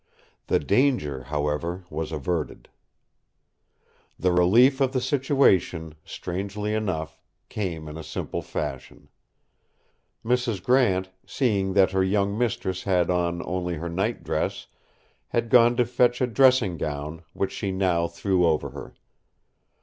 The danger, however, was averted. The relief of the situation, strangely enough, came in a simple fashion. Mrs. Grant, seeing that her young mistress had on only her nightdress, had gone to fetch a dressing gown, which she now threw over her.